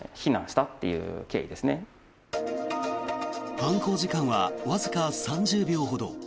犯行時間はわずか３０秒ほど。